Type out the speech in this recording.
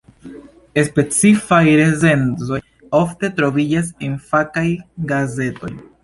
Specifaj recenzoj ofte troviĝas en fakaj gazetoj.